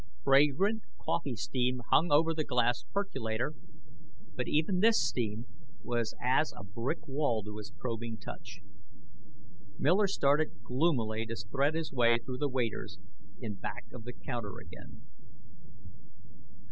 Fragrant coffee steam hung over the glass percolator, but even this steam was as a brick wall to his probing touch. Miller started gloomily to thread his way through the waiters in back of the counter again.